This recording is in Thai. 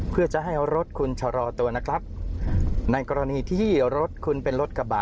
เพื่อจะให้รถคุณชะลอตัวนะครับในกรณีที่รถคุณเป็นรถกระบะ